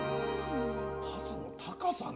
傘の高さね。